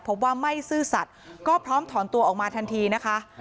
พบว่าไม่ซื่อสัตว์ก็พร้อมถอนตัวออกมาทันทีนะคะ